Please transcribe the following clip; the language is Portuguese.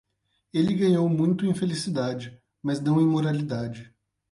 Ele ganhou muito em felicidade, mas não em moralidade.